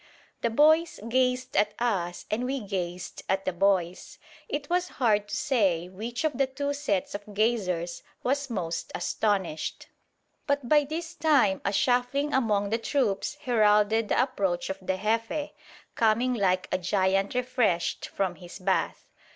The boys gazed at us and we gazed at the boys; it was hard to say which of the two sets of gazers was most astonished. But by this time a shuffling among the troops heralded the approach of the Jefe, coming like a giant refreshed from his bath.